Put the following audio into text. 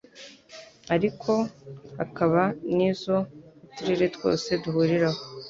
ariko hakaba n'izo uturere twose duhuriraho.